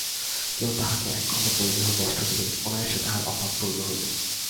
কেহ তাহাকে একখণ্ড পরিধেয় বস্ত্র দিবে, অনায়াসে তাহার অভাবপূরণ হইবে।